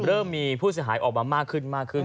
เริ่มมีผู้เสียหายออกมามากขึ้นมากขึ้น